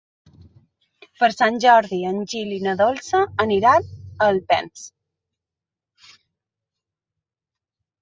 Per Sant Jordi en Gil i na Dolça aniran a Alpens.